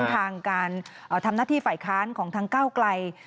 ทางการทำหน้าที่ฝ่ายค้านของทางก้าวไกล